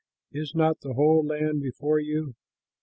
Is not the whole land before you?